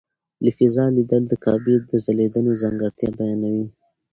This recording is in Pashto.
له فضا لیدل د کعبې د ځلېدنې ځانګړتیا بیانوي.